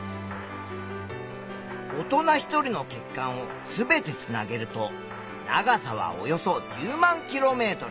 大人１人の血管を全てつなげると長さはおよそ１０万ｋｍ。